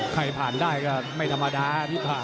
ใครผ่านได้ก็ไม่ธรรมดาพี่ป่าว